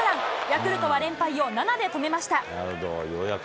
ヤクルトは連敗を７で止めました。